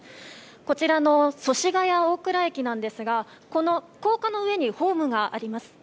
こちらの祖師ヶ谷大蔵駅ですがこの高架の上にホームがあります。